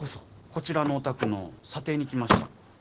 こちらのお宅の査定に来ました。